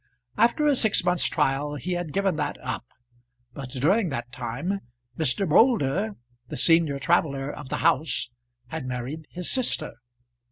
After a six months' trial he had given that up, but during the time, Mr. Moulder, the senior traveller of the house, had married his sister.